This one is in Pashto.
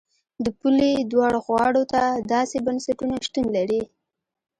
د پولې دواړو غاړو ته داسې بنسټونه شتون لري.